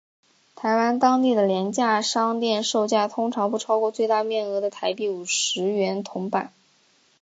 台湾当地的廉价商店售价通常不超过最大面额的台币五十元铜板。